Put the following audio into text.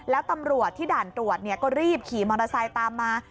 แล้วตำรวจที่ด่านตรวจก็รีบขี่มอเตอร์ไซค์ตามมา